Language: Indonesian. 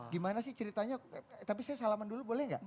gimana sih ceritanya tapi saya salaman dulu boleh nggak